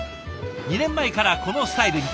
２年前からこのスタイルに。